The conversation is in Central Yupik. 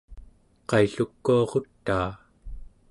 qaillukuarutaa